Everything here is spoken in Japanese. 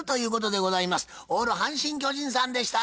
オール阪神・巨人さんでした。